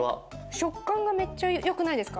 しょっかんがめっちゃよくないですか？